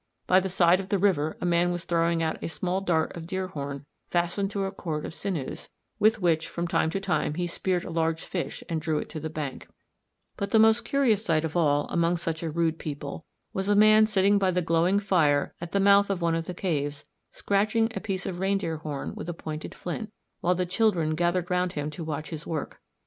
By the side of the river a man was throwing a small dart of deer horn fastened to a cord of sinews, with which from time to time he speared a large fish and drew it to the bank. [Illustration: Fig. 79. Mammoth engraved on ivory by Palæolithic man.] But the most curious sight of all, among such a rude people, was a man sitting by the glowing fire at the mouth of one of the caves scratching a piece of reindeer horn with a pointed flint, while the children gathered round him to watch his work.